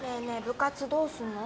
部活どうすんの？